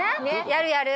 やるやる。